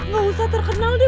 gak usah terkenal deh